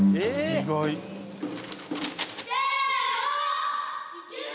意外せの！